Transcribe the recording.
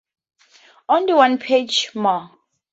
Only one page more.